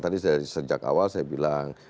tadi sejak awal saya bilang